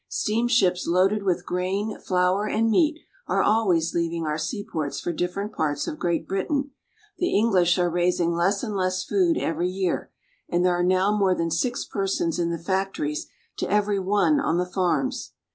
Steamships loaded with grain, flour, and meat are always leaving our seaports for different parts of Great Britain. The English are raising less and less food every year, and there are now more than six persons in the factories to every one on the farms.